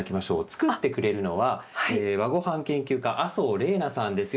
作ってくれるのは和ごはん研究家麻生怜菜さんです。